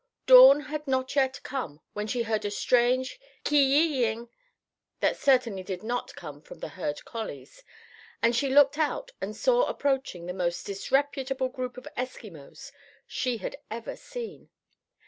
Dawn had not yet come when she heard a strange ki yi ing that certainly did not come from the herd collies, and she looked out and saw approaching the most disreputable group of Eskimos she had ever seen.